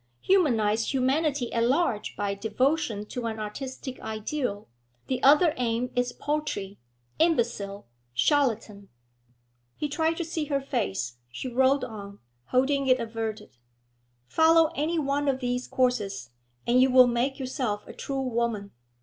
humanise humanity at large by devotion to an artistic ideal; the other aim is paltry, imbecile, charlatan.' He tried to see her face; she rode on, holding it averted. 'Follow any one of these courses, and you will make of yourself a true woman.